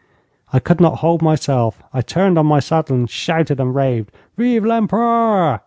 I could not hold myself. I turned on my saddle and shouted and raved, 'Vive l'Empereur!'